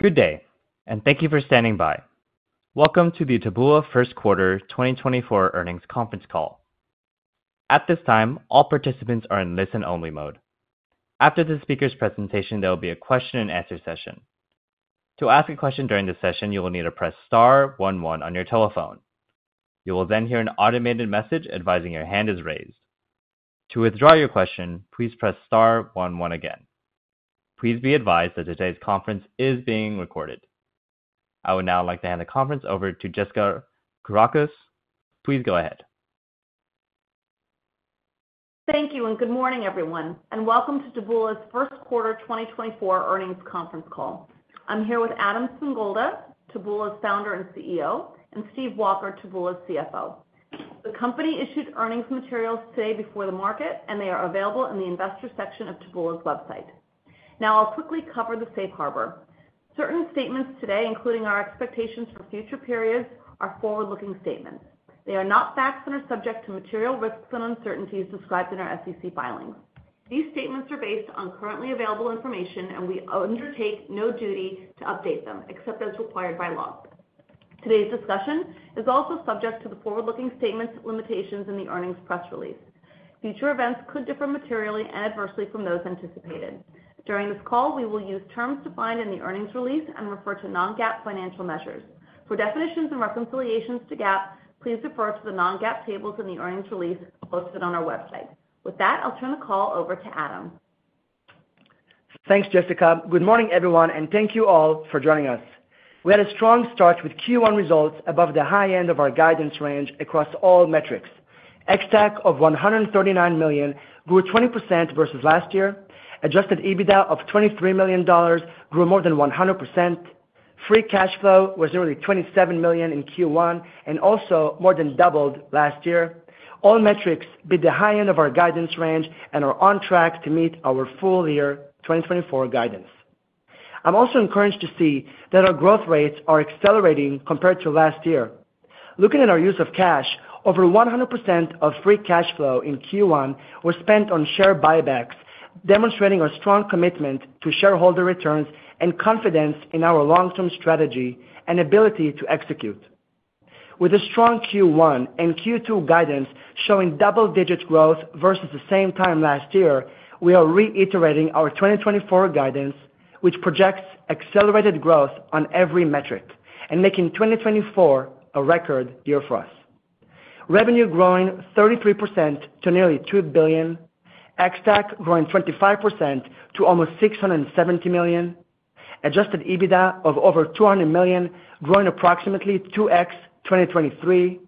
Good day, and thank you for standing by. Welcome to the Taboola First Quarter 2024 Earnings Conference Call. At this time, all participants are in listen-only mode. After the speaker's presentation, there will be a question-and-answer session. To ask a question during the session, you will need to press *11 on your telephone. You will then hear an automated message advising your hand is raised. To withdraw your question, please press *11 again. Please be advised that today's conference is being recorded. I would now like to hand the conference over to Jessica Kourakos. Please go ahead. Thank you, and good morning, everyone, and welcome to Taboola's First Quarter 2024 Earnings Conference Call. I'm here with Adam Singolda, Taboola's founder and CEO, and Steve Walker, Taboola's CFO. The company issued earnings materials today before the market, and they are available in the investor section of Taboola's website. Now I'll quickly cover the safe harbor. Certain statements today, including our expectations for future periods, are forward-looking statements. They are not facts and are subject to material risks and uncertainties described in our SEC filings. These statements are based on currently available information, and we undertake no duty to update them except as required by law. Today's discussion is also subject to the forward-looking statements' limitations in the earnings press release. Future events could differ materially and adversely from those anticipated. During this call, we will use terms defined in the earnings release and refer to non-GAAP financial measures. For definitions and reconciliations to GAAP, please refer to the non-GAAP tables in the earnings release posted on our website. With that, I'll turn the call over to Adam. Thanks, Jessica. Good morning, everyone, and thank you all for joining us. We had a strong start with Q1 results above the high end of our guidance range across all metrics. Ex-TAC of $139 million grew 20% versus last year. Adjusted EBITDA of $23 million grew more than 100%. Free cash flow was nearly $27 million in Q1 and also more than doubled last year. All metrics beat the high end of our guidance range and are on track to meet our full-year 2024 guidance. I'm also encouraged to see that our growth rates are accelerating compared to last year. Looking at our use of cash, over 100% of free cash flow in Q1 was spent on share buybacks, demonstrating our strong commitment to shareholder returns and confidence in our long-term strategy and ability to execute. With a strong Q1 and Q2 guidance showing double-digit growth versus the same time last year, we are reiterating our 2024 guidance, which projects accelerated growth on every metric and making 2024 a record year for us. Revenue growing 33% to nearly $2 billion. Ex-TAC growing 25% to almost $670 million. Adjusted EBITDA of over $200 million growing approximately 2x 2023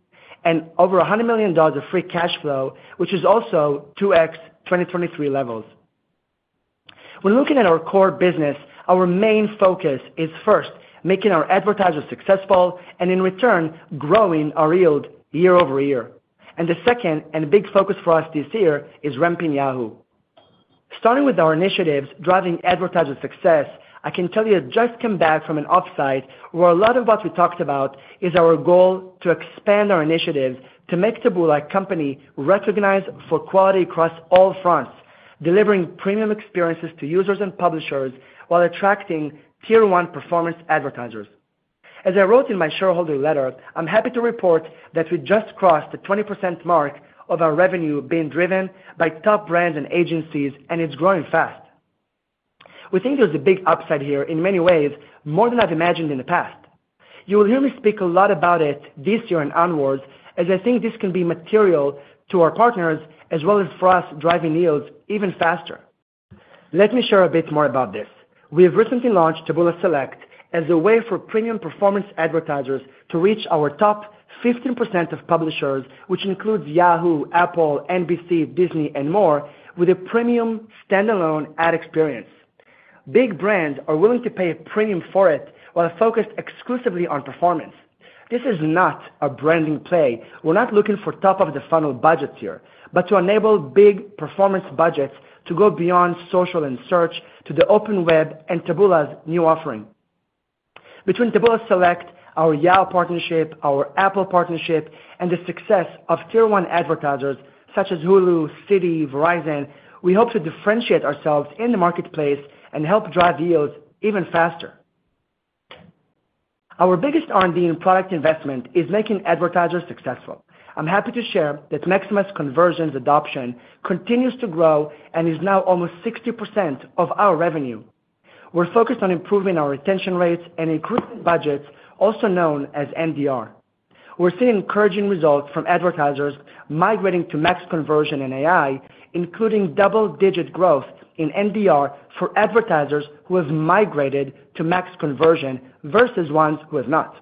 and over $100 million of free cash flow, which is also 2x 2023 levels. When looking at our core business, our main focus is, first, making our advertisers successful and, in return, growing our yield year-over-year. And the second and big focus for us this year is ramping Yahoo. Starting with our initiatives driving advertiser success, I can tell you I just came back from an offsite where a lot of what we talked about is our goal to expand our initiatives to make Taboola recognized for quality across all fronts, delivering premium experiences to users and publishers while attracting tier-one performance advertisers. As I wrote in my shareholder letter, I'm happy to report that we just crossed the 20% mark of our revenue being driven by top brands and agencies, and it's growing fast. We think there's a big upside here in many ways, more than I've imagined in the past. You will hear me speak a lot about it this year and onwards, as I think this can be material to our partners as well as for us driving yields even faster. Let me share a bit more about this. We have recently launched Taboola Select as a way for premium performance advertisers to reach our top 15% of publishers, which includes Yahoo, Apple, NBC, Disney, and more, with a premium standalone ad experience. Big brands are willing to pay a premium for it while focused exclusively on performance. This is not a branding play. We're not looking for top-of-the-funnel budgets here, but to enable big performance budgets to go beyond social and search to the open web and Taboola's new offering. Between Taboola Select, our Yahoo partnership, our Apple partnership, and the success of tier-one advertisers such as Hulu, Citi, Verizon, we hope to differentiate ourselves in the marketplace and help drive yields even faster. Our biggest R&D and product investment is making advertisers successful. I'm happy to share that Maximize Conversions adoption continues to grow and is now almost 60% of our revenue. We're focused on improving our retention rates and increasing budgets, also known as NDR. We're seeing encouraging results from advertisers migrating to Max Conversion and AI, including double-digit growth in NDR for advertisers who have migrated to Max Conversion versus ones who have not.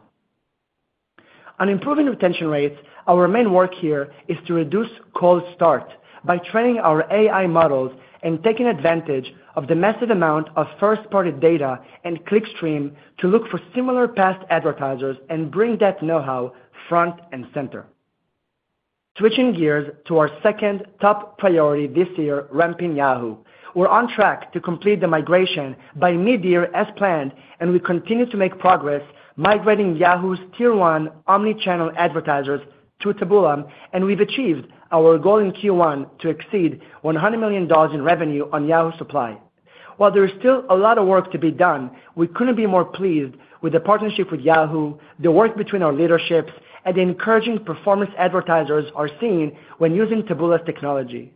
On improving retention rates, our main work here is to reduce cold start by training our AI models and taking advantage of the massive amount of first-party data and clickstream to look for similar past advertisers and bring that know-how front and center. Switching gears to our second top priority this year, ramping Yahoo. We're on track to complete the migration by mid-year as planned, and we continue to make progress migrating Yahoo's tier-one omnichannel advertisers to Taboola, and we've achieved our goal in Q1 to exceed $100 million in revenue on Yahoo supply. While there is still a lot of work to be done, we couldn't be more pleased with the partnership with Yahoo, the work between our leaderships, and the encouraging performance advertisers are seeing when using Taboola's technology.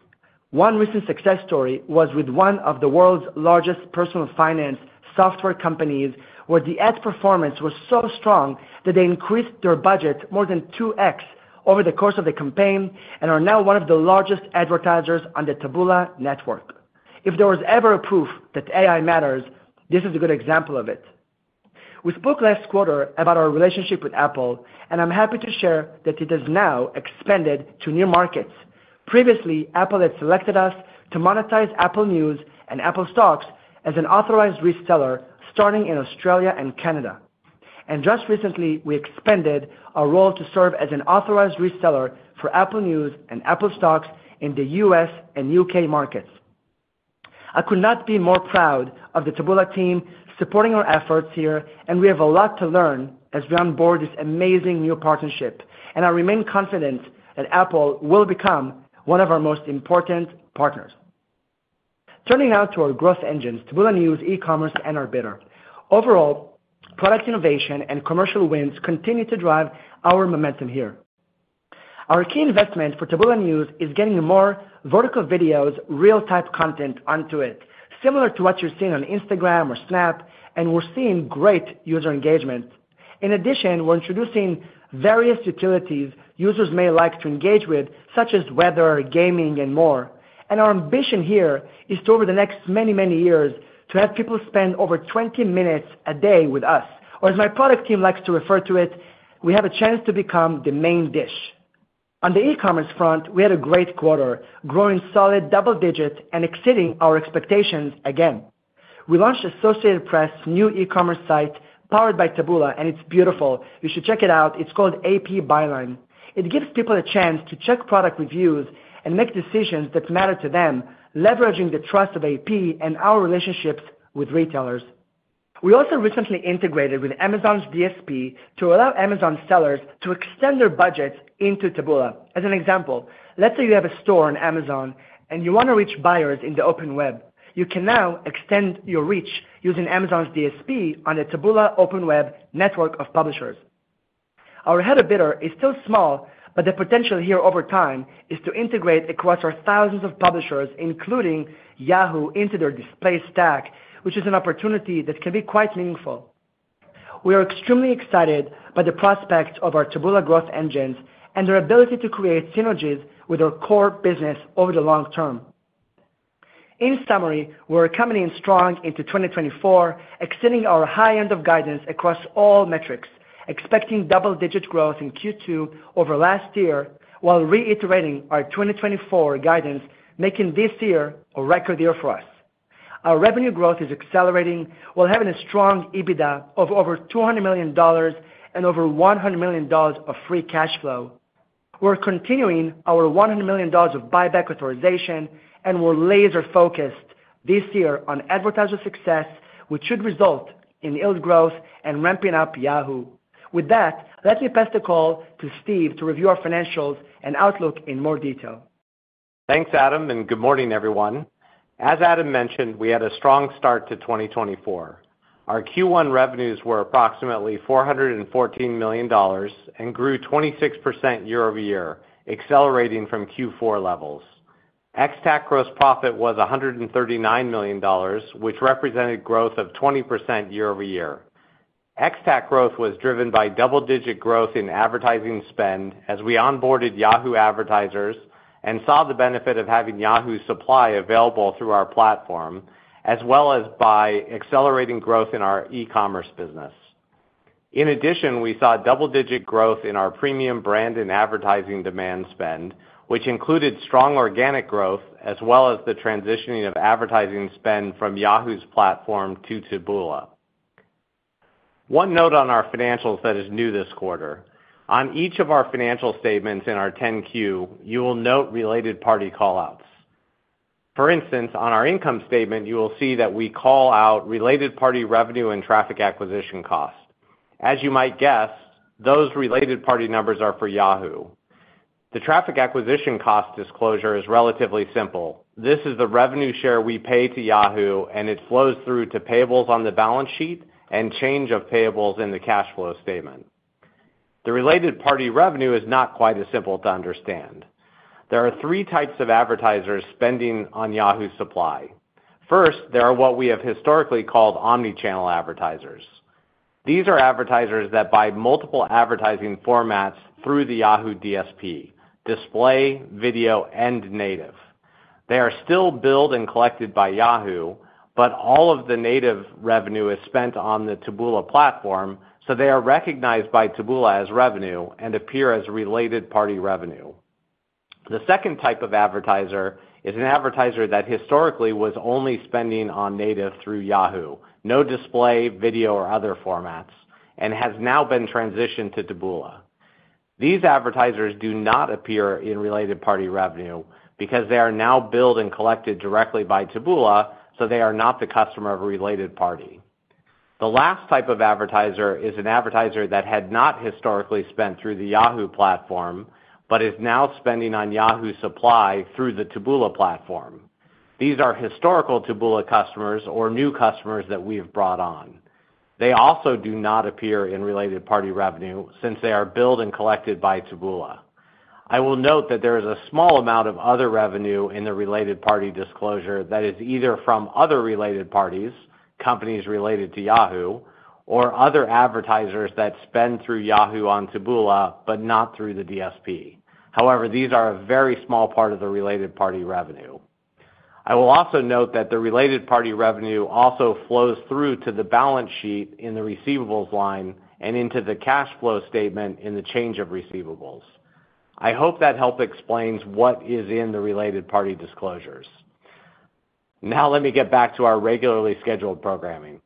One recent success story was with one of the world's largest personal finance software companies, where the ad performance was so strong that they increased their budget more than 2x over the course of the campaign and are now one of the largest advertisers on the Taboola network. If there was ever proof that AI matters, this is a good example of it. We spoke last quarter about our relationship with Apple, and I'm happy to share that it has now expanded to new markets. Previously, Apple had selected us to monetize Apple News and Apple Stocks as an authorized reseller starting in Australia and Canada. Just recently, we expanded our role to serve as an authorized reseller for Apple News and Apple Stocks in the U.S. and U.K. markets. I could not be more proud of the Taboola team supporting our efforts here, and we have a lot to learn as we onboard this amazing new partnership, and I remain confident that Apple will become one of our most important partners. Turning now to our growth engines, Taboola News e-commerce and our bidder. Overall, product innovation and commercial wins continue to drive our momentum here. Our key investment for Taboola News is getting more vertical videos, real-time content onto it, similar to what you're seeing on Instagram or Snap, and we're seeing great user engagement. In addition, we're introducing various utilities users may like to engage with, such as weather, gaming, and more. Our ambition here is to, over the next many, many years, have people spend over 20 minutes a day with us, or as my product team likes to refer to it, we have a chance to become the main dish. On the e-commerce front, we had a great quarter, growing solid double-digit and exceeding our expectations again. We launched Associated Press' new e-commerce site powered by Taboola, and it's beautiful. You should check it out. It's called AP Buyline. It gives people a chance to check product reviews and make decisions that matter to them, leveraging the trust of AP and our relationships with retailers. We also recently integrated with Amazon's DSP to allow Amazon sellers to extend their budgets into Taboola. As an example, let's say you have a store on Amazon and you want to reach buyers in the open web. You can now extend your reach using Amazon's DSP on the Taboola open web network of publishers. Our header bidder is still small, but the potential here over time is to integrate across our thousands of publishers, including Yahoo, into their display stack, which is an opportunity that can be quite meaningful. We are extremely excited by the prospects of our Taboola growth engines and their ability to create synergies with our core business over the long term. In summary, we're coming in strong into 2024, extending our high end of guidance across all metrics, expecting double-digit growth in Q2 over last year, while reiterating our 2024 guidance, making this year a record year for us. Our revenue growth is accelerating. We'll have a strong EBITDA of over $200 million and over $100 million of free cash flow. We're continuing our $100 million of buyback authorization, and we're laser-focused this year on advertiser success, which should result in yield growth and ramping up Yahoo. With that, let me pass the call to Steve to review our financials and outlook in more detail. Thanks, Adam, and good morning, everyone. As Adam mentioned, we had a strong start to 2024. Our Q1 revenues were approximately $414 million and grew 26% year-over-year, accelerating from Q4 levels. Ex-TAC gross profit was $139 million, which represented growth of 20% year-over-year. Ex-TAC growth was driven by double-digit growth in advertising spend as we onboarded Yahoo advertisers and saw the benefit of having Yahoo supply available through our platform, as well as by accelerating growth in our e-commerce business. In addition, we saw double-digit growth in our premium brand and advertising demand spend, which included strong organic growth as well as the transitioning of advertising spend from Yahoo's platform to Taboola. One note on our financials that is new this quarter: on each of our financial statements in our 10Q, you will note related party callouts. For instance, on our income statement, you will see that we call out related party revenue and traffic acquisition cost. As you might guess, those related party numbers are for Yahoo. The traffic acquisition cost disclosure is relatively simple. This is the revenue share we pay to Yahoo, and it flows through to payables on the balance sheet and change of payables in the cash flow statement. The related party revenue is not quite as simple to understand. There are three types of advertisers spending on Yahoo supply. First, there are what we have historically called omnichannel advertisers. These are advertisers that buy multiple advertising formats through the Yahoo DSP: display, video, and native. They are still billed and collected by Yahoo, but all of the native revenue is spent on the Taboola platform, so they are recognized by Taboola as revenue and appear as related party revenue. The second type of advertiser is an advertiser that historically was only spending on native through Yahoo, no display, video, or other formats, and has now been transitioned to Taboola. These advertisers do not appear in related party revenue because they are now billed and collected directly by Taboola, so they are not the customer of a related party. The last type of advertiser is an advertiser that had not historically spent through the Yahoo platform but is now spending on Yahoo supply through the Taboola platform. These are historical Taboola customers or new customers that we've brought on. They also do not appear in related party revenue since they are billed and collected by Taboola. I will note that there is a small amount of other revenue in the related party disclosure that is either from other related parties, companies related to Yahoo, or other advertisers that spend through Yahoo on Taboola but not through the DSP. However, these are a very small part of the related party revenue. I will also note that the related party revenue also flows through to the balance sheet in the receivables line and into the cash flow statement in the change of receivables. I hope that helps explains what is in the related party disclosures. Now, let me get back to our regularly scheduled programming.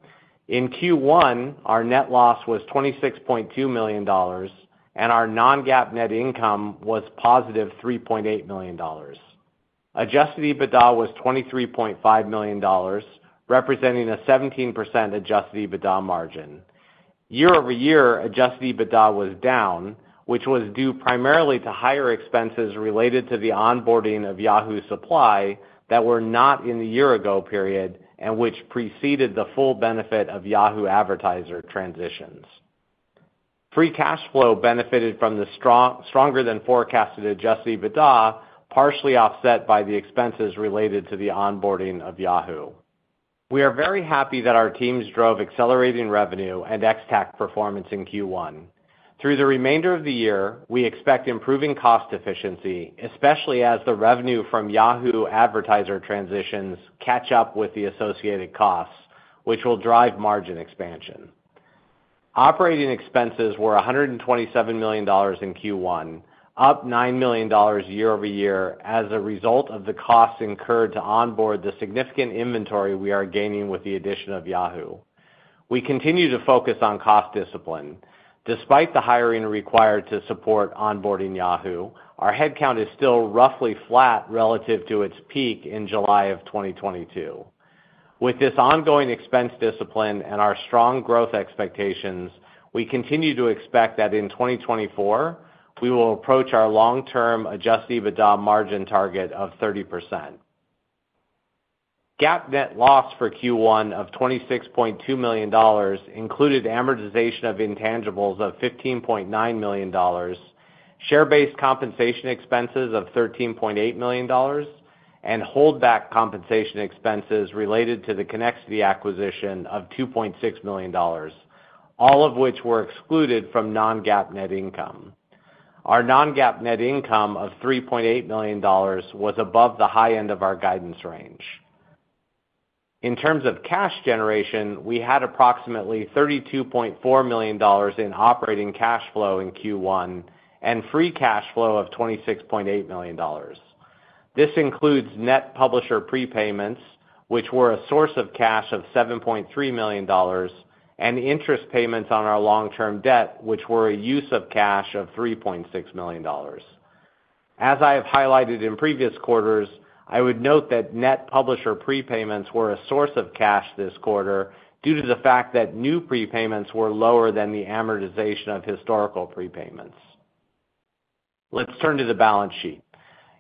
In Q1, our net loss was $26.2 million, and our non-GAAP net income was positive $3.8 million. Adjusted EBITDA was $23.5 million, representing a 17% adjusted EBITDA margin. Year-over-year, Adjusted EBITDA was down, which was due primarily to higher expenses related to the onboarding of Yahoo supply that were not in the year-ago period and which preceded the full benefit of Yahoo advertiser transitions. Free Cash Flow benefited from the stronger-than-forecasted Adjusted EBITDA, partially offset by the expenses related to the onboarding of Yahoo. We are very happy that our teams drove accelerating revenue and Ex-TAC performance in Q1. Through the remainder of the year, we expect improving cost efficiency, especially as the revenue from Yahoo advertiser transitions catch up with the associated costs, which will drive margin expansion. Operating expenses were $127 million in Q1, up $9 million year-over-year as a result of the costs incurred to onboard the significant inventory we are gaining with the addition of Yahoo. We continue to focus on cost discipline. Despite the hiring required to support onboarding Yahoo, our headcount is still roughly flat relative to its peak in July of 2022. With this ongoing expense discipline and our strong growth expectations, we continue to expect that in 2024, we will approach our long-term Adjusted EBITDA margin target of 30%. GAAP net loss for Q1 of $26.2 million included amortization of intangibles of $15.9 million, share-based compensation expenses of $13.8 million, and holdback compensation expenses related to the Connexity acquisition of $2.6 million, all of which were excluded from non-GAAP net income. Our non-GAAP net income of $3.8 million was above the high end of our guidance range. In terms of cash generation, we had approximately $32.4 million in operating cash flow in Q1 and free cash flow of $26.8 million. This includes net publisher prepayments, which were a source of cash of $7.3 million, and interest payments on our long-term debt, which were a use of cash of $3.6 million. As I have highlighted in previous quarters, I would note that net publisher prepayments were a source of cash this quarter due to the fact that new prepayments were lower than the amortization of historical prepayments. Let's turn to the balance sheet.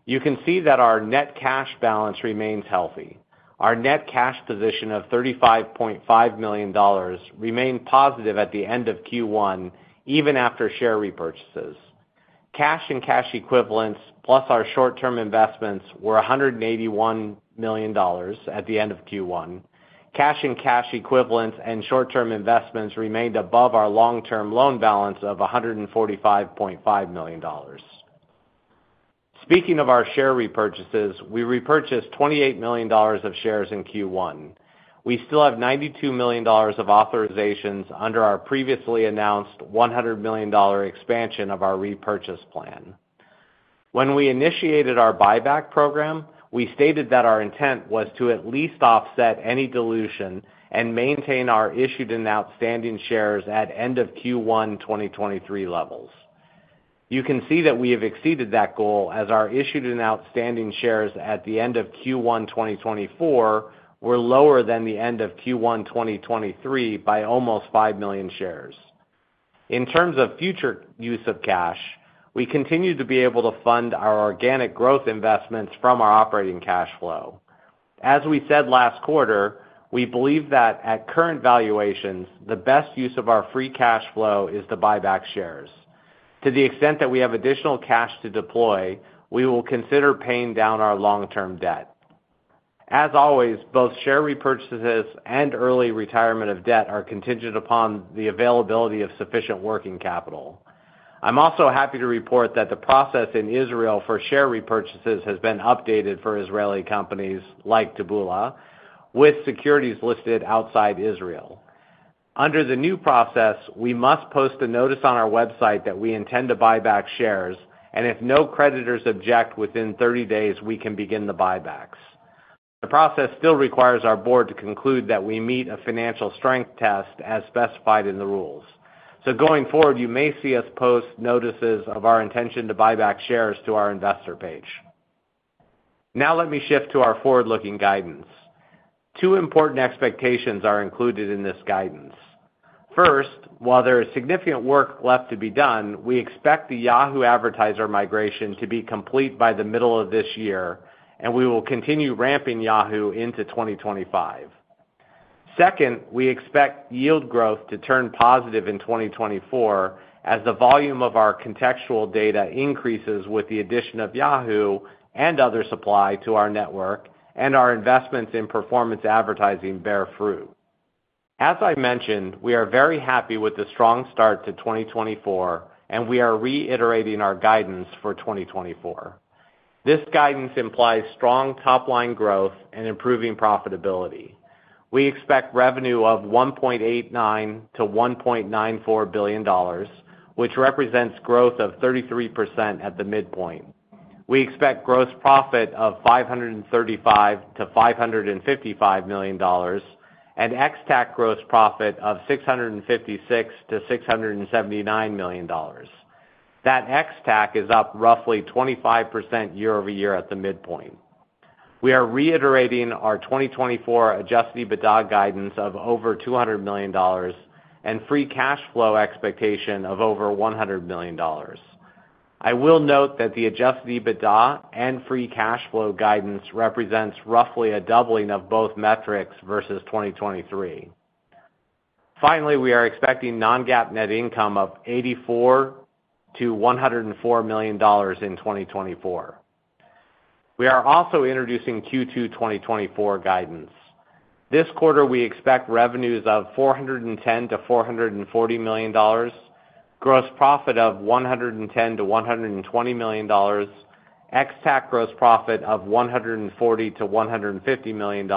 You can see that our net cash balance remains healthy. Our net cash position of $35.5 million remained positive at the end of Q1, even after share repurchases. Cash and cash equivalents, plus our short-term investments, were $181 million at the end of Q1. Cash and cash equivalents and short-term investments remained above our long-term loan balance of $145.5 million. Speaking of our share repurchases, we repurchased $28 million of shares in Q1. We still have $92 million of authorizations under our previously announced $100 million expansion of our repurchase plan. When we initiated our buyback program, we stated that our intent was to at least offset any dilution and maintain our issued and outstanding shares at end-of-Q1-2023 levels. You can see that we have exceeded that goal as our issued and outstanding shares at the end of Q1-2024 were lower than the end of Q1-2023 by almost 5 million shares. In terms of future use of cash, we continue to be able to fund our organic growth investments from our operating cash flow. As we said last quarter, we believe that, at current valuations, the best use of our free cash flow is to buy back shares. To the extent that we have additional cash to deploy, we will consider paying down our long-term debt. As always, both share repurchases and early retirement of debt are contingent upon the availability of sufficient working capital. I'm also happy to report that the process in Israel for share repurchases has been updated for Israeli companies like Taboola, with securities listed outside Israel. Under the new process, we must post a notice on our website that we intend to buy back shares, and if no creditors object within 30 days, we can begin the buybacks. The process still requires our board to conclude that we meet a financial strength test as specified in the rules. So going forward, you may see us post notices of our intention to buy back shares to our investor page. Now, let me shift to our forward-looking guidance. Two important expectations are included in this guidance. First, while there is significant work left to be done, we expect the Yahoo advertiser migration to be complete by the middle of this year, and we will continue ramping Yahoo into 2025. Second, we expect yield growth to turn positive in 2024 as the volume of our contextual data increases with the addition of Yahoo and other supply to our network, and our investments in performance advertising bear fruit. As I mentioned, we are very happy with the strong start to 2024, and we are reiterating our guidance for 2024. This guidance implies strong top-line growth and improving profitability. We expect revenue of $1.89-$1.94 billion, which represents growth of 33% at the midpoint. We expect gross profit of $535-$555 million, and Ex-TAC gross profit of $656-$679 million. That Ex-TAC is up roughly 25% year-over-year at the midpoint. We are reiterating our 2024 Adjusted EBITDA guidance of over $200 million and Free Cash Flow expectation of over $100 million. I will note that the Adjusted EBITDA and Free Cash Flow guidance represents roughly a doubling of both metrics versus 2023. Finally, we are expecting non-GAAP net income of $84-$104 million in 2024. We are also introducing Q2-2024 guidance. This quarter, we expect revenues of $410-$440 million, gross profit of $110-$120 million, Ex-TAC gross profit of $140-$150 million,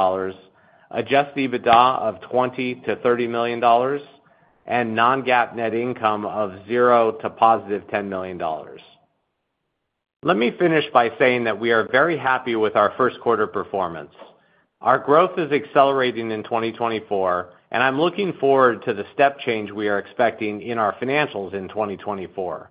Adjusted EBITDA of $20-$30 million, and non-GAAP net income of $0 to positive $10 million. Let me finish by saying that we are very happy with our first quarter performance. Our growth is accelerating in 2024, and I'm looking forward to the step change we are expecting in our financials in 2024.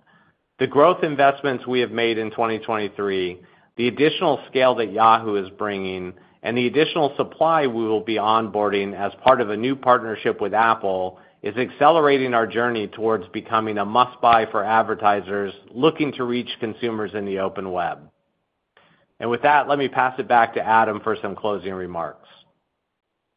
The growth investments we have made in 2023, the additional scale that Yahoo is bringing, and the additional supply we will be onboarding as part of a new partnership with Apple is accelerating our journey towards becoming a must-buy for advertisers looking to reach consumers in the open web. With that, let me pass it back to Adam for some closing remarks.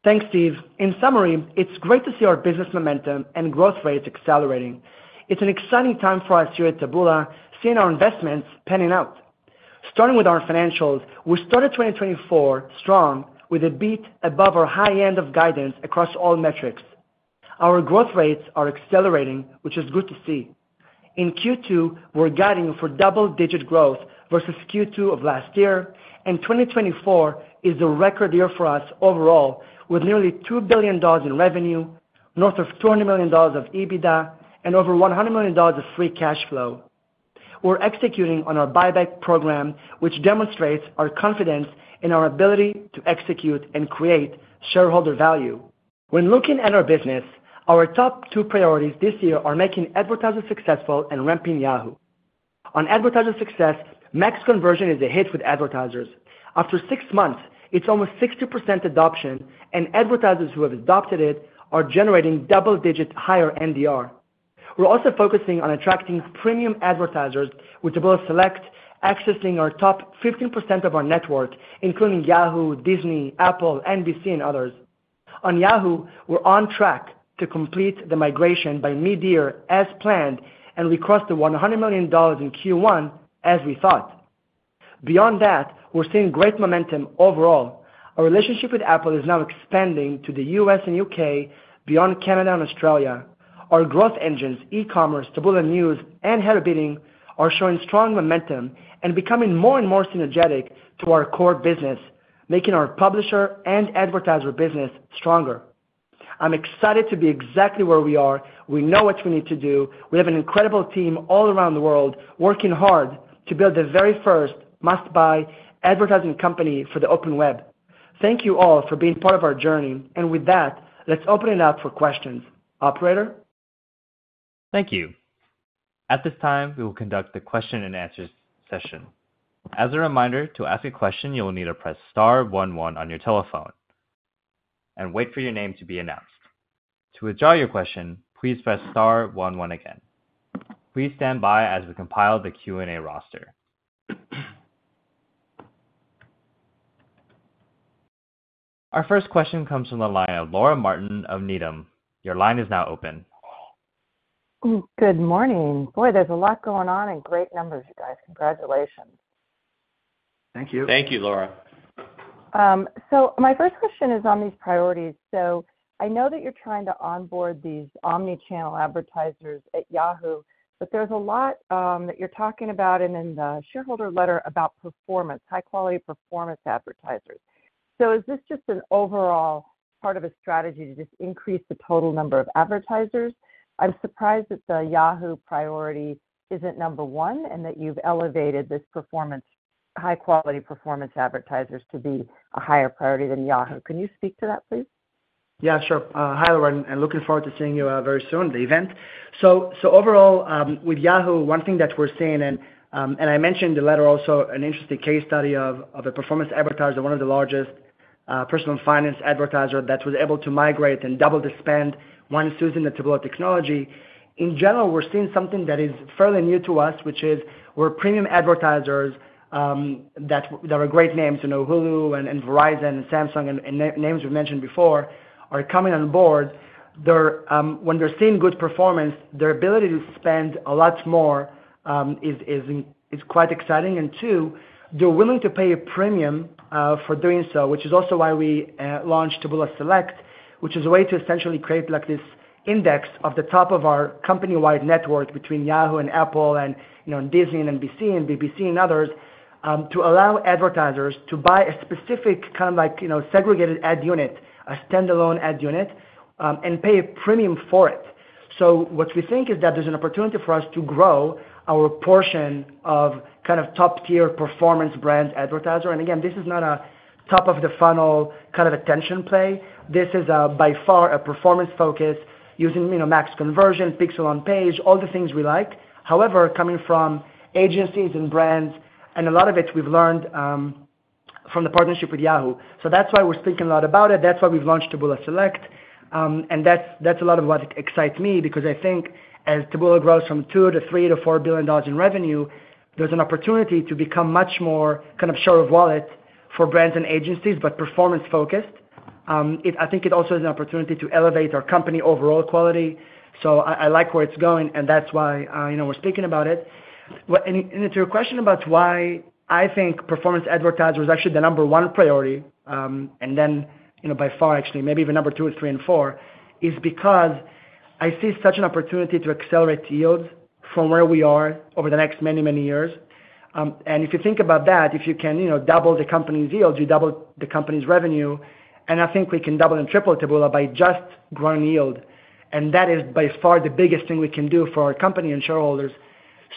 Thanks, Steve. In summary, it's great to see our business momentum and growth rates accelerating. It's an exciting time for us here at Taboola seeing our investments panning out. Starting with our financials, we started 2024 strong, with a beat above our high end of guidance across all metrics. Our growth rates are accelerating, which is good to see. In Q2, we're guiding for double-digit growth versus Q2 of last year, and 2024 is a record year for us overall, with nearly $2 billion in revenue, north of $200 million of EBITDA, and over $100 million of free cash flow. We're executing on our buyback program, which demonstrates our confidence in our ability to execute and create shareholder value. When looking at our business, our top two priorities this year are making advertisers successful and ramping Yahoo. On advertiser success, Max Conversion is a hit with advertisers. After six months, it's almost 60% adoption, and advertisers who have adopted it are generating double-digit higher NDR. We're also focusing on attracting premium advertisers with Taboola Select, accessing our top 15% of our network, including Yahoo, Disney, Apple, NBC, and others. On Yahoo, we're on track to complete the migration by mid-year as planned, and we crossed the $100 million in Q1 as we thought. Beyond that, we're seeing great momentum overall. Our relationship with Apple is now expanding to the US and UK, beyond Canada and Australia. Our growth engines, e-commerce, Taboola News, and Header Bidding, are showing strong momentum and becoming more and more synergetic to our core business, making our publisher and advertiser business stronger. I'm excited to be exactly where we are. We know what we need to do. We have an incredible team all around the world working hard to build the very first must-buy advertising company for the open web. Thank you all for being part of our journey, and with that, let's open it up for questions. Operator? Thank you. At this time, we will conduct the question-and-answer session. As a reminder, to ask a question, you will need to press star 11 on your telephone and wait for your name to be announced. To withdraw your question, please press star 11 again. Please stand by as we compile the Q&A roster. Our first question comes from the line of Laura Martin of Needham. Your line is now open. Good morning. Boy, there's a lot going on and great numbers, you guys. Congratulations. Thank you. Thank you, Laura. My first question is on these priorities. I know that you're trying to onboard these omnichannel advertisers at Yahoo, but there's a lot that you're talking about and in the shareholder letter about performance, high-quality performance advertisers. Is this just an overall part of a strategy to just increase the total number of advertisers? I'm surprised that the Yahoo priority isn't number one and that you've elevated these high-quality performance advertisers to be a higher priority than Yahoo. Can you speak to that, please? Yeah, sure. Hi, Laura. Looking forward to seeing you very soon at the event. So overall, with Yahoo, one thing that we're seeing and I mentioned the letter also, an interesting case study of a performance advertiser, one of the largest, personal finance advertiser that was able to migrate and double the spend, one, using Taboola Technology. In general, we're seeing something that is fairly new to us, which is where premium advertisers that are great names, Hulu and Verizon and Samsung and names we've mentioned before, are coming on board. When they're seeing good performance, their ability to spend a lot more is quite exciting. And two, they're willing to pay a premium for doing so, which is also why we launched Taboola Select, which is a way to essentially create this index of the top of our company-wide network between Yahoo and Apple and Disney and NBC and BBC and others to allow advertisers to buy a specific kind of segregated ad unit, a standalone ad unit, and pay a premium for it. So what we think is that there's an opportunity for us to grow our portion of kind of top-tier performance brands advertiser. And again, this is not a top-of-the-funnel kind of attention play. This is by far a performance focus using Max Conversion, Pixel on Page, all the things we like. However, coming from agencies and brands, and a lot of it we've learned from the partnership with Yahoo. So that's why we're speaking a lot about it. That's why we've launched Taboola Select. That's a lot of what excites me because I think as Taboola grows from $2 billion to $3 billion to $4 billion in revenue, there's an opportunity to become much more kind of share-of-wallet for brands and agencies, but performance-focused. I think it also is an opportunity to elevate our company overall quality. I like where it's going, and that's why we're speaking about it. To your question about why I think performance advertisers are actually the number one priority, and then by far, actually, maybe even number two, three, and four, is because I see such an opportunity to accelerate yields from where we are over the next many, many years. If you think about that, if you can double the company's yields, you double the company's revenue. I think we can double and triple Taboola by just growing yield. That is by far the biggest thing we can do for our company and shareholders.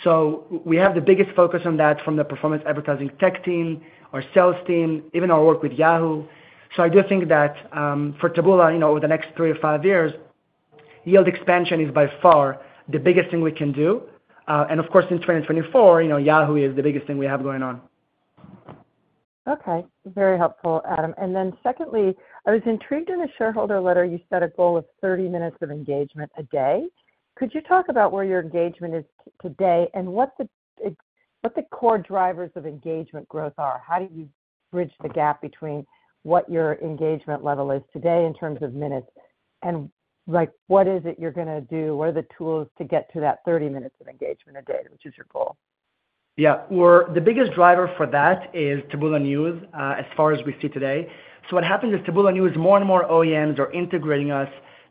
We have the biggest focus on that from the performance advertising tech team, our sales team, even our work with Yahoo. I do think that for Taboola, over the next 3 or 5 years, yield expansion is by far the biggest thing we can do. Of course, in 2024, Yahoo is the biggest thing we have going on. Okay. Very helpful, Adam. And then secondly, I was intrigued in a shareholder letter, you said a goal of 30 minutes of engagement a day. Could you talk about where your engagement is today and what the core drivers of engagement growth are? How do you bridge the gap between what your engagement level is today in terms of minutes, and what is it you're going to do? What are the tools to get to that 30 minutes of engagement a day, which is your goal? Yeah. The biggest driver for that is Taboola News as far as we see today. So what happens is Taboola News, more and more OEMs are integrating us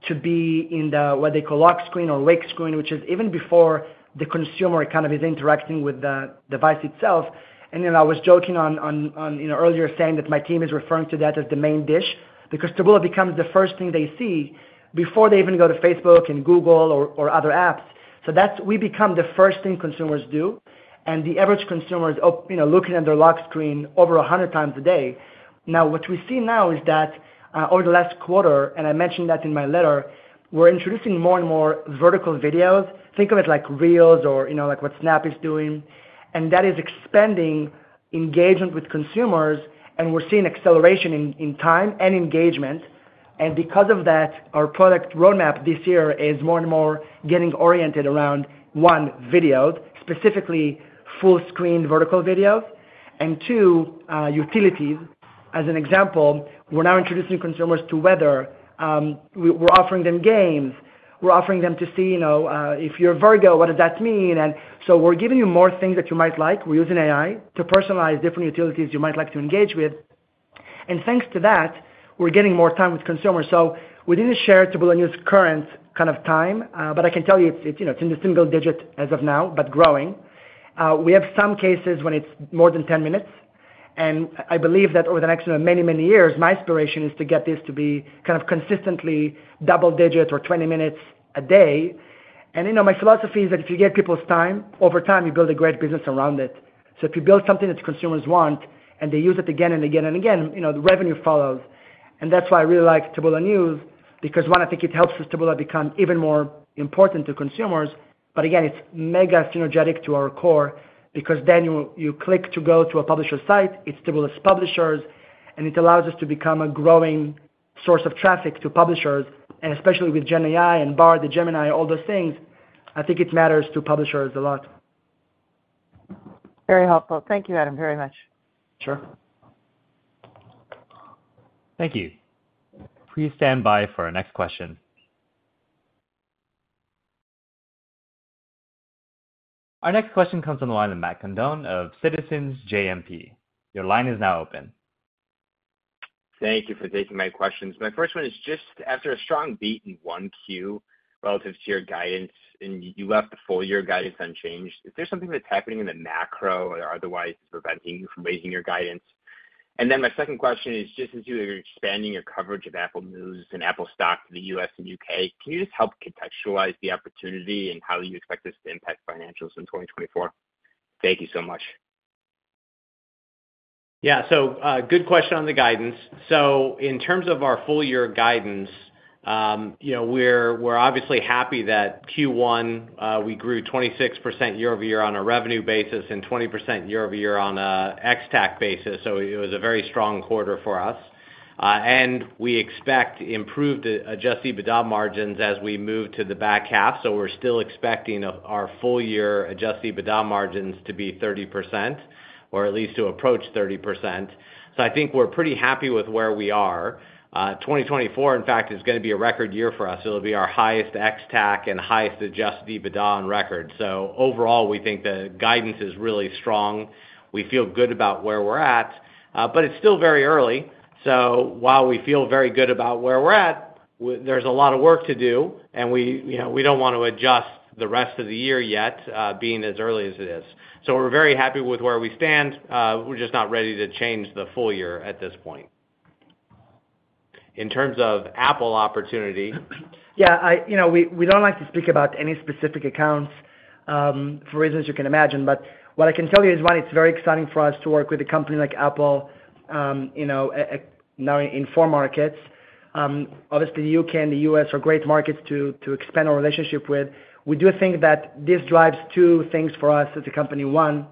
to be in what they call lock screen or wake screen, which is even before the consumer kind of is interacting with the device itself. And I was joking earlier saying that my team is referring to that as the main dish because Taboola becomes the first thing they see before they even go to Facebook and Google or other apps. So we become the first thing consumers do, and the average consumer is looking at their lock screen over 100 times a day. Now, what we see now is that over the last quarter - and I mentioned that in my letter - we're introducing more and more vertical videos. Think of it like Reels or what Snap is doing. That is expanding engagement with consumers, and we're seeing acceleration in time and engagement. And because of that, our product roadmap this year is more and more getting oriented around, one, videos, specifically full-screen vertical videos, and two, utilities. As an example, we're now introducing consumers to weather. We're offering them games. We're offering them to see if you're a Virgo, what does that mean? And so we're giving you more things that you might like. We're using AI to personalize different utilities you might like to engage with. And thanks to that, we're getting more time with consumers. So we didn't share Taboola News' current kind of time, but I can tell you it's in the single digit as of now, but growing. We have some cases when it's more than 10 minutes. And I believe that over the next many, many years, my aspiration is to get this to be kind of consistently double-digit or 20 minutes a day. And my philosophy is that if you get people's time, over time, you build a great business around it. So if you build something that consumers want and they use it again and again and again, the revenue follows. And that's why I really like Taboola News because, one, I think it helps us, Taboola, become even more important to consumers. But again, it's mega synergetic to our core because then you click to go to a publisher site. It's Taboola's publishers, and it allows us to become a growing source of traffic to publishers. And especially with GenAI and Bard, the Gemini, all those things, I think it matters to publishers a lot. Very helpful. Thank you, Adam, very much. Sure. Thank you. Please stand by for our next question. Our next question comes on the line of Matt Condon of Citizens JMP. Your line is now open. Thank you for taking my questions. My first one is just after a strong beat in 1Q relative to your guidance, and you left the full-year guidance unchanged. Is there something that's happening in the macro or otherwise preventing you from raising your guidance? And then my second question is just as you are expanding your coverage of Apple News and Apple Stocks to the U.S. and U.K., can you just help contextualize the opportunity and how you expect this to impact financials in 2024? Thank you so much. Yeah. So good question on the guidance. So in terms of our full-year guidance, we're obviously happy that Q1, we grew 26% year-over-year on a revenue basis and 20% year-over-year on an Ex-TAC basis. So it was a very strong quarter for us. And we expect improved adjusted EBITDA margins as we move to the back half. So we're still expecting our full-year adjusted EBITDA margins to be 30% or at least to approach 30%. So I think we're pretty happy with where we are. 2024, in fact, is going to be a record year for us. It'll be our highest Ex-TAC and highest adjusted EBITDA on record. So overall, we think the guidance is really strong. We feel good about where we're at, but it's still very early. So while we feel very good about where we're at, there's a lot of work to do, and we don't want to adjust the rest of the year yet being as early as it is. So we're very happy with where we stand. We're just not ready to change the full year at this point. In terms of Apple opportunity. Yeah. We don't like to speak about any specific accounts for reasons you can imagine. But what I can tell you is, one, it's very exciting for us to work with a company like Apple now in four markets. Obviously, the UK and the US are great markets to expand our relationship with. We do think that this drives two things for us as a company. One,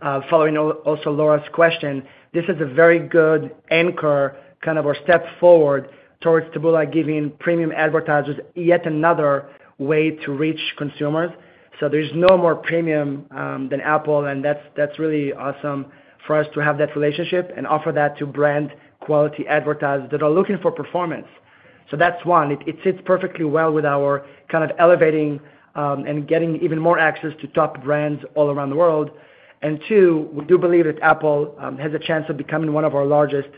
following also Laura's question, this is a very good anchor kind of or step forward towards Taboola giving premium advertisers yet another way to reach consumers. So there's no more premium than Apple, and that's really awesome for us to have that relationship and offer that to brand-quality advertisers that are looking for performance. So that's one. It sits perfectly well with our kind of elevating and getting even more access to top brands all around the world. And two, we do believe that Apple has a chance of becoming one of our largest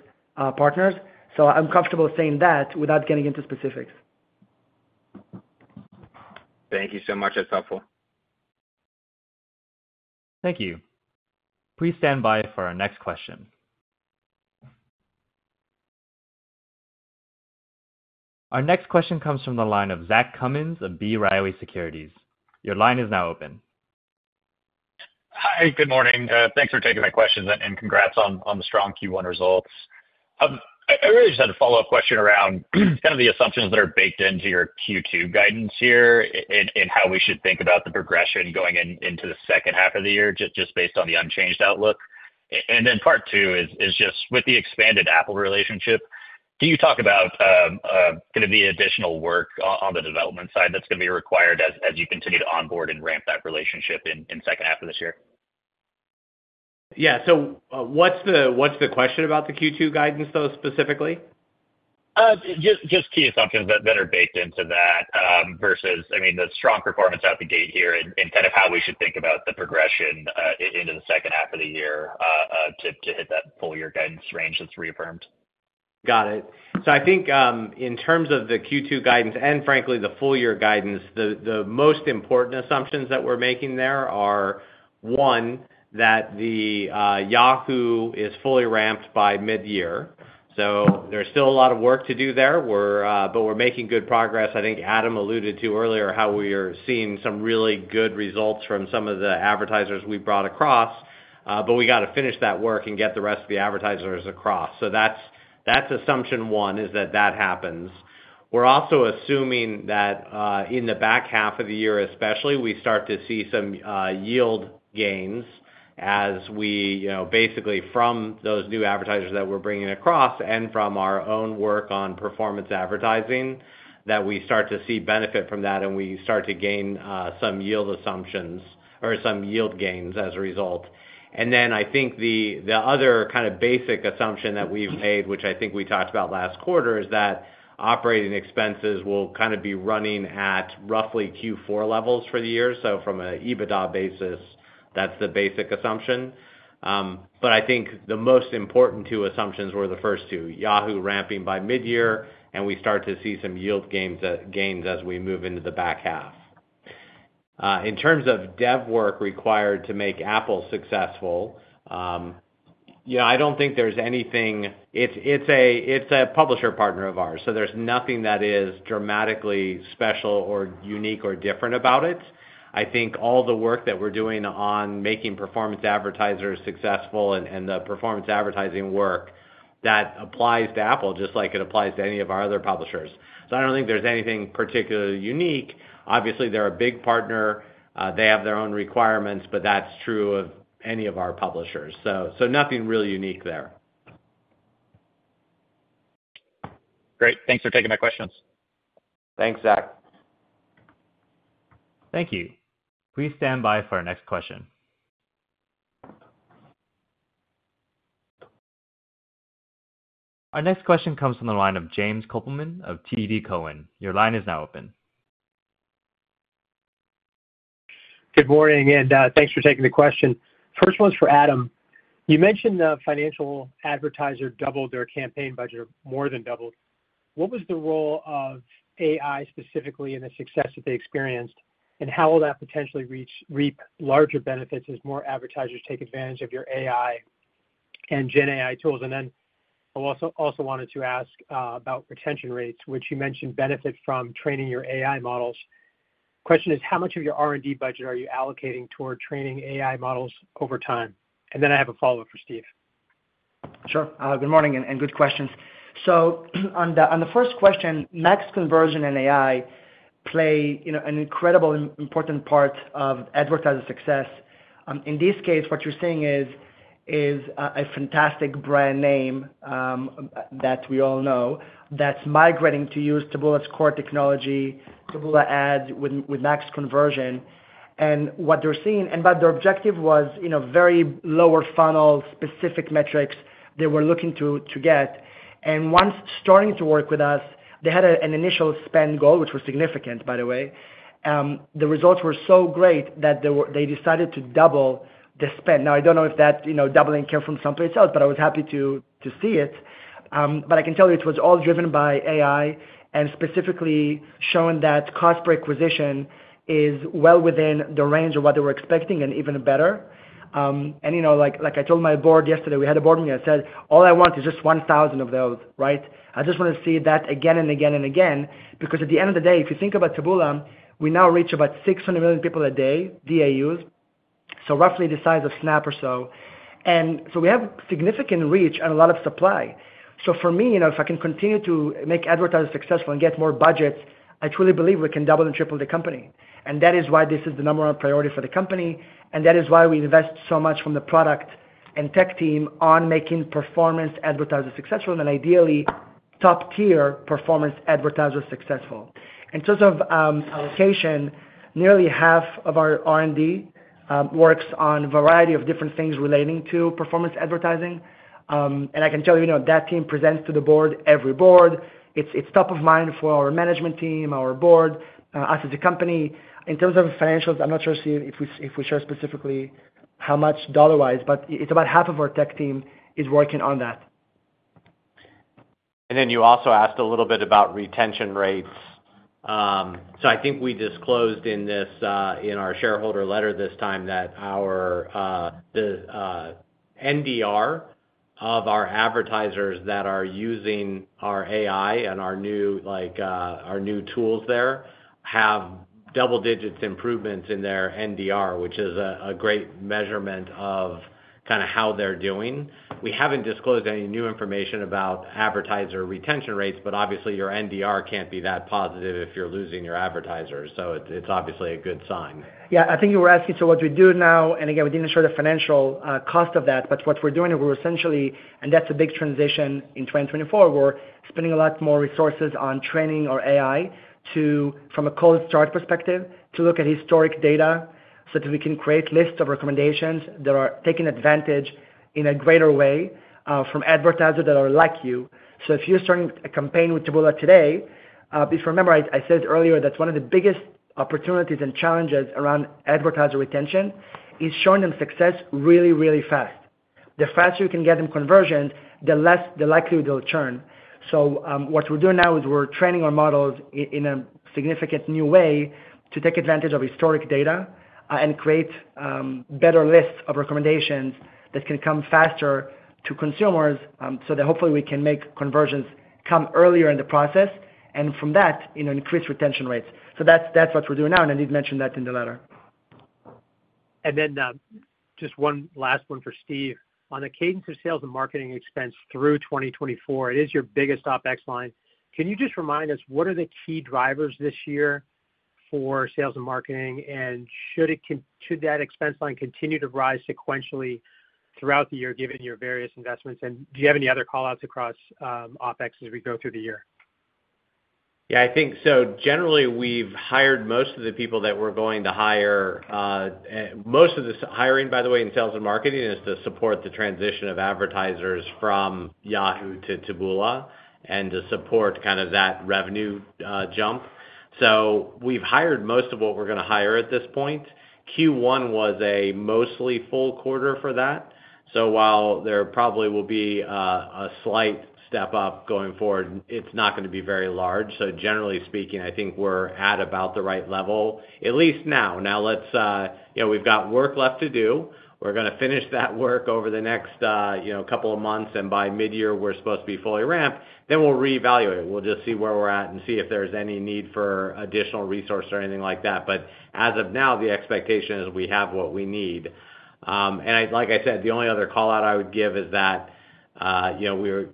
partners. So I'm comfortable saying that without getting into specifics. Thank you so much. That's helpful. Thank you. Please stand by for our next question. Our next question comes from the line of Zach Cummins of B. Riley Securities. Your line is now open. Hi. Good morning. Thanks for taking my questions and congrats on the strong Q1 results. I really just had a follow-up question around kind of the assumptions that are baked into your Q2 guidance here and how we should think about the progression going into the second half of the year just based on the unchanged outlook. Then part two is just with the expanded Apple relationship, do you talk about going to be additional work on the development side that's going to be required as you continue to onboard and ramp that relationship in second half of this year? Yeah. So what's the question about the Q2 guidance, though, specifically? Just key assumptions that are baked into that versus, I mean, the strong performance out the gate here and kind of how we should think about the progression into the second half of the year to hit that full-year guidance range that's reaffirmed. Got it. So I think in terms of the Q2 guidance and, frankly, the full-year guidance, the most important assumptions that we're making there are, one, that the Yahoo is fully ramped by mid-year. So there's still a lot of work to do there, but we're making good progress. I think Adam alluded to earlier how we are seeing some really good results from some of the advertisers we brought across. But we got to finish that work and get the rest of the advertisers across. So that's assumption one, is that that happens. We're also assuming that in the back half of the year, especially, we start to see some yield gains as we basically from those new advertisers that we're bringing across and from our own work on performance advertising, that we start to see benefit from that and we start to gain some yield assumptions or some yield gains as a result. And then I think the other kind of basic assumption that we've made, which I think we talked about last quarter, is that operating expenses will kind of be running at roughly Q4 levels for the year. So from an EBITDA basis, that's the basic assumption. But I think the most important two assumptions were the first two, Yahoo ramping by mid-year and we start to see some yield gains as we move into the back half. In terms of dev work required to make Apple successful, I don't think there's anything. It's a publisher partner of ours, so there's nothing that is dramatically special or unique or different about it. I think all the work that we're doing on making performance advertisers successful and the performance advertising work, that applies to Apple just like it applies to any of our other publishers. So I don't think there's anything particularly unique. Obviously, they're a big partner. They have their own requirements, but that's true of any of our publishers. So nothing really unique there. Great. Thanks for taking my questions. Thanks, Zach. Thank you. Please stand by for our next question. Our next question comes from the line of James Kopelman of TD Cowen. Your line is now open. Good morning, and thanks for taking the question. First one's for Adam. You mentioned the financial advertiser doubled their campaign budget, more than doubled. What was the role of AI specifically in the success that they experienced, and how will that potentially reap larger benefits as more advertisers take advantage of your AI and GenAI tools? And then I also wanted to ask about retention rates, which you mentioned benefit from training your AI models. Question is, how much of your R&D budget are you allocating toward training AI models over time? And then I have a follow-up for Steve. Sure. Good morning and good questions. So on the first question, Max Conversion and AI play an incredibly important part of advertiser success. In this case, what you're seeing is a fantastic brand name that we all know that's migrating to use Taboola's core technology, Taboola Ads, with Max Conversion. And what they're seeing, and but their objective was very lower funnel specific metrics they were looking to get. And once starting to work with us, they had an initial spend goal, which was significant, by the way. The results were so great that they decided to double the spend. Now, I don't know if that doubling came from someplace else, but I was happy to see it. But I can tell you it was all driven by AI and specifically showing that cost per acquisition is well within the range of what they were expecting and even better. And like I told my board yesterday, we had a board meeting that said, "All I want is just 1,000 of those," right? I just want to see that again and again and again because at the end of the day, if you think about Taboola, we now reach about 600 million people a day, DAUs, so roughly the size of Snap or so. And so we have significant reach and a lot of supply. So for me, if I can continue to make advertisers successful and get more budgets, I truly believe we can double and triple the company. And that is why this is the number one priority for the company, and that is why we invest so much from the product and tech team on making performance advertisers successful and then ideally top-tier performance advertisers successful. In terms of allocation, nearly half of our R&D works on a variety of different things relating to performance advertising. And I can tell you that team presents to the board every board. It's top of mind for our management team, our board, us as a company. In terms of financials, I'm not sure if we share specifically how much dollar-wise, but it's about half of our tech team is working on that. You also asked a little bit about retention rates. So I think we disclosed in our shareholder letter this time that the NDR of our advertisers that are using our AI and our new tools there have double-digit improvements in their NDR, which is a great measurement of kind of how they're doing. We haven't disclosed any new information about advertiser retention rates, but obviously, your NDR can't be that positive if you're losing your advertisers. It's obviously a good sign. Yeah. I think you were asking, so what we do now, and again, we didn't show the financial cost of that, but what we're doing is we're essentially, and that's a big transition in 2024, we're spending a lot more resources on training our AI from a cold start perspective to look at historic data so that we can create lists of recommendations that are taken advantage in a greater way from advertisers that are like you. So if you're starting a campaign with Taboola today, please remember I said earlier that one of the biggest opportunities and challenges around advertiser retention is showing them success really, really fast. The faster you can get them conversions, the likely they'll turn. So what we're doing now is we're training our models in a significant new way to take advantage of historic data and create better lists of recommendations that can come faster to consumers so that hopefully we can make conversions come earlier in the process and from that, increase retention rates. So that's what we're doing now, and I did mention that in the letter. And then just one last one for Steve. On the cadence of sales and marketing expense through 2024, it is your biggest OpEx line. Can you just remind us what are the key drivers this year for sales and marketing, and should that expense line continue to rise sequentially throughout the year given your various investments? And do you have any other callouts across OpEx as we go through the year? Yeah. So generally, we've hired most of the people that we're going to hire. Most of this hiring, by the way, in sales and marketing is to support the transition of advertisers from Yahoo to Taboola and to support kind of that revenue jump. So we've hired most of what we're going to hire at this point. Q1 was a mostly full quarter for that. So while there probably will be a slight step up going forward, it's not going to be very large. So generally speaking, I think we're at about the right level, at least now. Now, we've got work left to do. We're going to finish that work over the next couple of months, and by mid-year, we're supposed to be fully ramped. Then we'll reevaluate. We'll just see where we're at and see if there's any need for additional resource or anything like that. But as of now, the expectation is we have what we need. And like I said, the only other callout I would give is that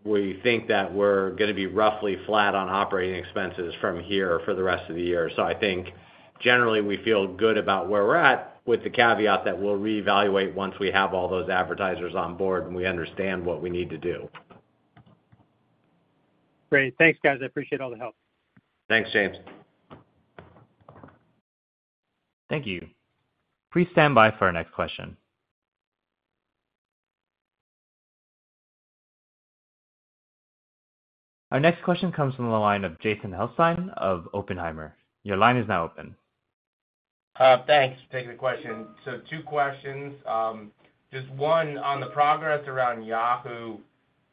we think that we're going to be roughly flat on operating expenses from here for the rest of the year. So I think generally, we feel good about where we're at with the caveat that we'll reevaluate once we have all those advertisers on board and we understand what we need to do. Great. Thanks, guys. I appreciate all the help. Thanks, James. Thank you. Please stand by for our next question. Our next question comes from the line of Jason Helfstein of Oppenheimer. Your line is now open. Thanks for taking the question. So 2 questions. Just 1 on the progress around Yahoo.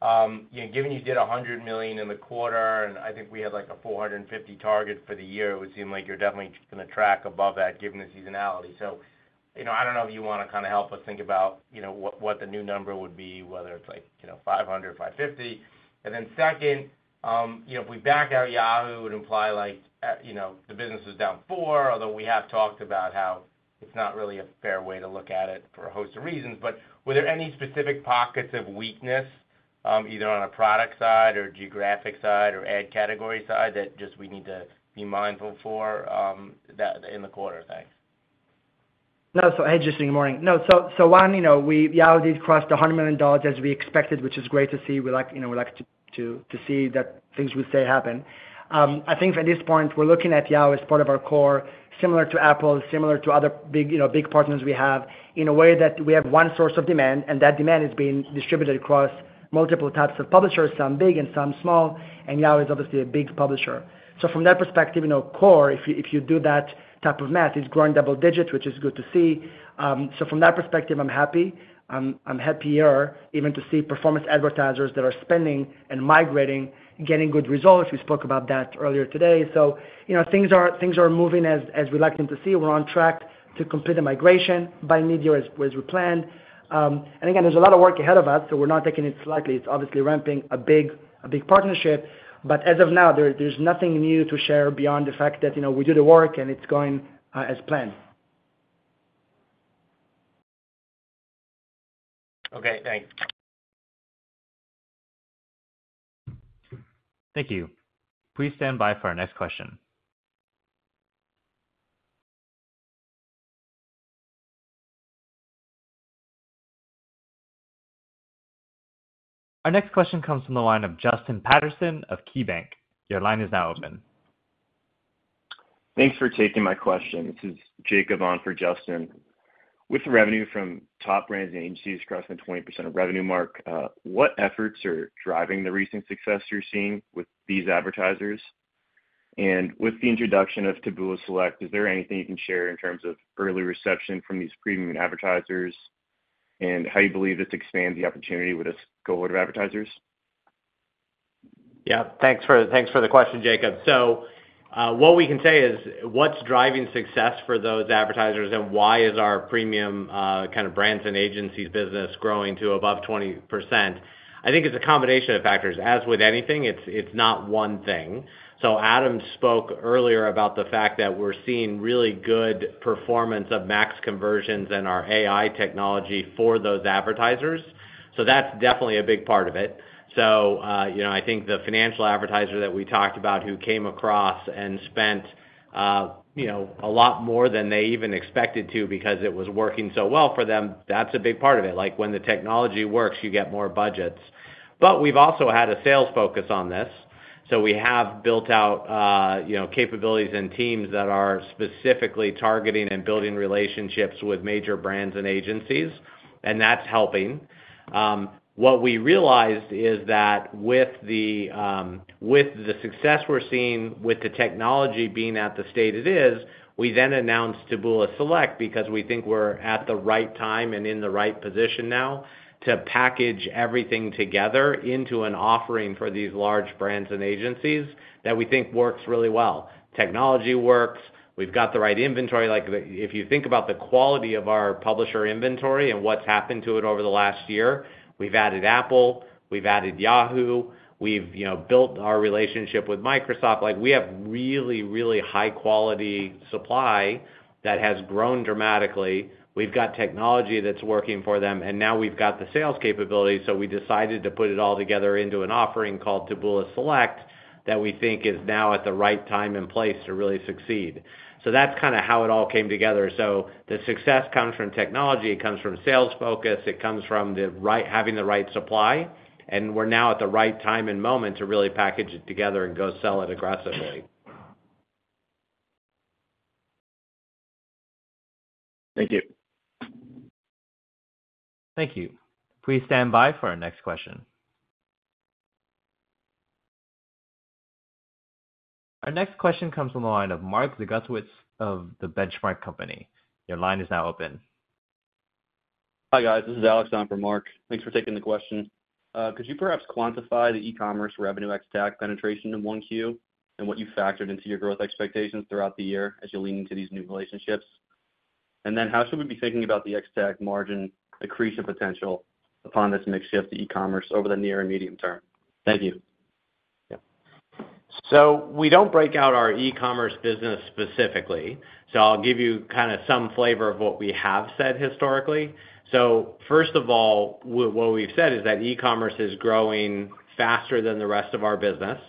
Given you did $100 million in the quarter, and I think we had a $450 million target for the year, it would seem like you're definitely going to track above that given the seasonality. So I don't know if you want to kind of help us think about what the new number would be, whether it's $500 million, $550 million. And then second, if we back out Yahoo, it would imply the business is down 4%, although we have talked about how it's not really a fair way to look at it for a host of reasons. But were there any specific pockets of weakness either on a product side or geographic side or ad category side that just we need to be mindful for in the quarter? Thanks. No. So hey, Jason, good morning. No. So one, Yahoo did cross the $100 million as we expected, which is great to see. We like to see that things we say happen. I think at this point, we're looking at Yahoo as part of our core, similar to Apple, similar to other big partners we have, in a way that we have one source of demand, and that demand is being distributed across multiple types of publishers, some big and some small. And Yahoo is obviously a big publisher. So from that perspective, core, if you do that type of math, is growing double-digit, which is good to see. So from that perspective, I'm happy. I'm happier even to see performance advertisers that are spending and migrating, getting good results. We spoke about that earlier today. So things are moving as we'd like them to see. We're on track to complete the migration by mid-year as we planned. And again, there's a lot of work ahead of us, so we're not taking it slightly. It's obviously ramping a big partnership. But as of now, there's nothing new to share beyond the fact that we do the work and it's going as planned. Okay. Thanks. Thank you. Please stand by for our next question. Our next question comes from the line of Justin Patterson of KeyBanc. Your line is now open. Thanks for taking my question. This is Jacob on for Justin. With the revenue from top brands and agencies crossing the 20% revenue mark, what efforts are driving the recent success you're seeing with these advertisers? And with the introduction of Taboola Select, is there anything you can share in terms of early reception from these premium advertisers and how you believe this expands the opportunity with a cohort of advertisers? Yeah. Thanks for the question, Jacob. So what we can say is what's driving success for those advertisers and why is our premium kind of brands and agencies business growing to above 20%? I think it's a combination of factors. As with anything, it's not one thing. So Adam spoke earlier about the fact that we're seeing really good performance of Maximize Conversions in our AI technology for those advertisers. So that's definitely a big part of it. So I think the financial advertiser that we talked about who came across and spent a lot more than they even expected to because it was working so well for them, that's a big part of it. When the technology works, you get more budgets. But we've also had a sales focus on this. So we have built out capabilities and teams that are specifically targeting and building relationships with major brands and agencies, and that's helping. What we realized is that with the success we're seeing with the technology being at the state it is, we then announced Taboola Select because we think we're at the right time and in the right position now to package everything together into an offering for these large brands and agencies that we think works really well. Technology works. We've got the right inventory. If you think about the quality of our publisher inventory and what's happened to it over the last year, we've added Apple. We've added Yahoo. We've built our relationship with Microsoft. We have really, really high-quality supply that has grown dramatically. We've got technology that's working for them, and now we've got the sales capabilities. So we decided to put it all together into an offering called Taboola Select that we think is now at the right time and place to really succeed. So that's kind of how it all came together. So the success comes from technology. It comes from sales focus. It comes from having the right supply. And we're now at the right time and moment to really package it together and go sell it aggressively. Thank you. Thank you. Please stand by for our next question. Our next question comes from the line of Mark Zgutowicz of The Benchmark Company. Your line is now open. Hi, guys. This is Alexander from Mark. Thanks for taking the question. Could you perhaps quantify the e-commerce revenue Ex-TAC penetration in 1Q and what you factored into your growth expectations throughout the year as you're leaning into these new relationships? And then how should we be thinking about the Ex-TAC margin accretion potential upon this shift to e-commerce over the near and medium term? Thank you. Yeah. So we don't break out our e-commerce business specifically. So I'll give you kind of some flavor of what we have said historically. So first of all, what we've said is that e-commerce is growing faster than the rest of our business.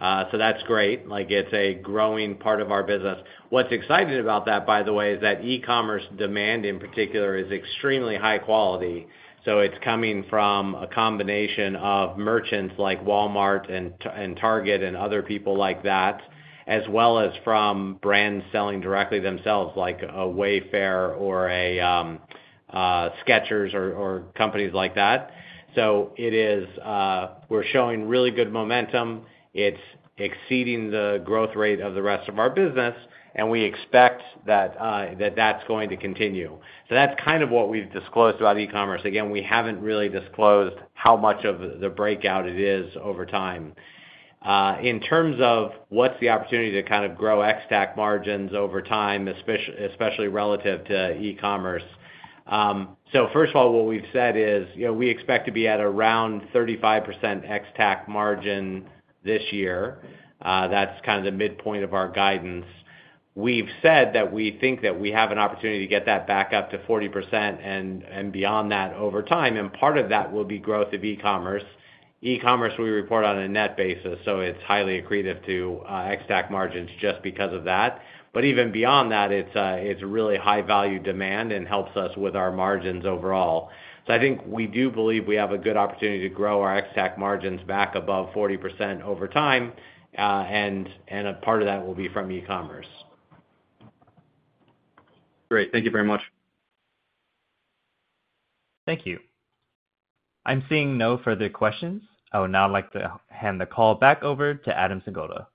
So that's great. It's a growing part of our business. What's exciting about that, by the way, is that e-commerce demand in particular is extremely high quality. So it's coming from a combination of merchants like Walmart and Target and other people like that, as well as from brands selling directly themselves like Wayfair or Skechers or companies like that. So we're showing really good momentum. It's exceeding the growth rate of the rest of our business, and we expect that that's going to continue. So that's kind of what we've disclosed about e-commerce. Again, we haven't really disclosed how much of the breakout it is over time. In terms of what's the opportunity to kind of grow ex-TAC margins over time, especially relative to e-commerce? So first of all, what we've said is we expect to be at around 35% ex-TAC margin this year. That's kind of the midpoint of our guidance. We've said that we think that we have an opportunity to get that back up to 40% and beyond that over time. And part of that will be growth of e-commerce. E-commerce, we report on a net basis, so it's highly accretive to ex-TAC margins just because of that. But even beyond that, it's really high-value demand and helps us with our margins overall. I think we do believe we have a good opportunity to grow our Ex-TAC margins back above 40% over time, and a part of that will be from e-commerce. Great. Thank you very much. Thank you. I'm seeing no further questions. I would now like to hand the call back over to Adam Singolda.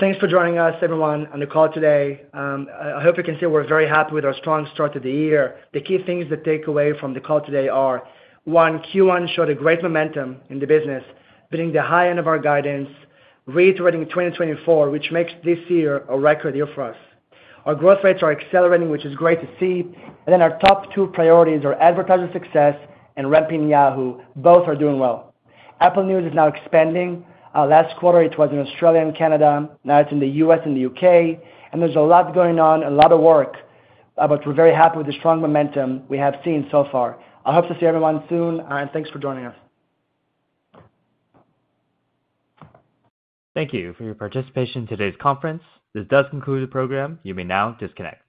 Thanks for joining us, everyone, on the call today. I hope you can see we're very happy with our strong start to the year. The key things to take away from the call today are, one, Q1 showed a great momentum in the business, beating the high end of our guidance, reiterating 2024, which makes this year a record year for us. Our growth rates are accelerating, which is great to see. And then our top two priorities are advertiser success and ramping Yahoo. Both are doing well. Apple News is now expanding. Last quarter, it was in Australia, in Canada. Now it's in the U.S. and the U.K. And there's a lot going on, a lot of work, but we're very happy with the strong momentum we have seen so far. I hope to see everyone soon, and thanks for joining us. Thank you for your participation in today's conference. This does conclude the program. You may now disconnect.